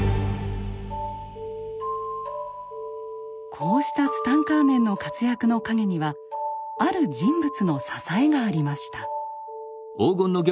こうしたツタンカーメンの活躍の陰にはある人物の支えがありました。